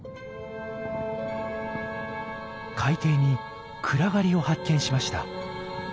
海底に暗がりを発見しました。